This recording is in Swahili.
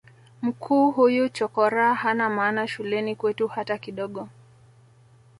mkuu huyu chokoraa hana maana shuleni kwetu hata kidogo